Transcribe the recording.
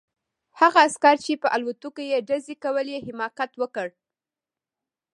هغه عسکر چې په الوتکو یې ډزې کولې حماقت وکړ